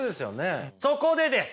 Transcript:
そこでです。